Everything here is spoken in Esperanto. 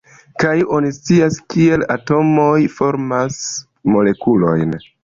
Kaj oni scias, kiel atomoj formas molekulojn.